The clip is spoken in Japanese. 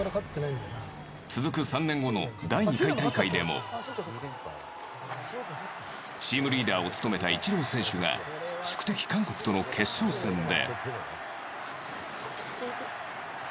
続く３年後の第２回大会でもチームリーダーを務めたイチロー選手が宿敵・韓国との決勝戦で。